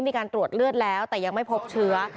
มีการตรวจเลือดแล้วแต่ยังไม่พบเชื้อ